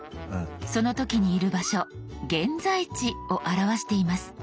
その時にいる場所「現在地」を表しています。